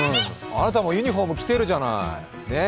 あなたもユニフォーム着てるじゃない。